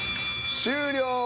終了。